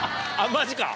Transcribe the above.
マジか。